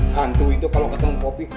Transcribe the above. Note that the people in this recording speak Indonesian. hantu itu kalo ketemu poki